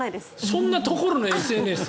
そんなところのＳＮＳ？